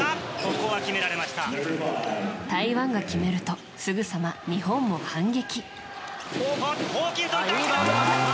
台湾が決めるとすぐさま日本も反撃。